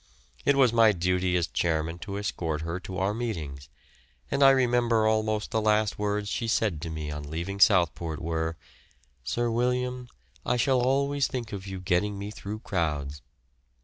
It was my duty as chairman to escort her to our meetings, and I remember almost the last words she said to me on leaving Southport were, "Sir William, I shall always think of you getting me through crowds."